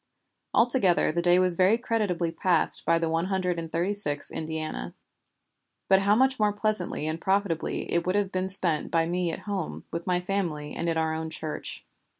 Altogether the day was very creditably passed by the One Hundred and Thirty sixth Indiana. But how much more pleasantly and profitably it would have been spent by me at home, with my own family and in our own church."